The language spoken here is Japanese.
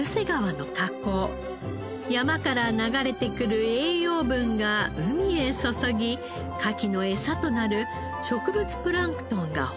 山から流れてくる栄養分が海へ注ぎカキの餌となる植物プランクトンが豊富です。